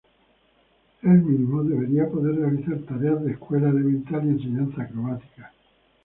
El mismo debería poder realizar tareas de escuela elemental y enseñanza acrobática.